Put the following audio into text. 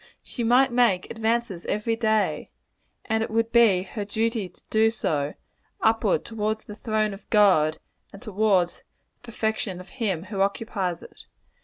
She might make advances every day and it would he her duty to do so upward toward the throne of God, and towards the perfection of him who occupies it.